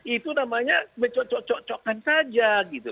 itu namanya mencocok cocokkan saja gitu